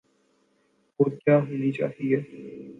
اورکیا ہونی چاہیے۔